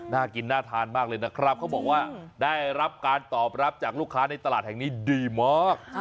น่ากินน่าทานมากเลยนะครับเขาบอกว่าได้รับการตอบรับจากลูกค้าในตลาดแห่งนี้ดีมาก